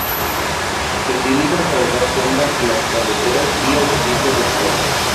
Se utilizan para dar sombra en las carreteras y autopistas del país.